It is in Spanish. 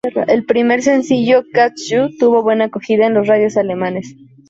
El primer sencillo Catch You, tuvo buena acogida en las radios alemanas.